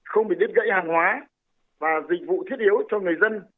không bị đứt gãy hàng hóa và dịch vụ thiết yếu cho người dân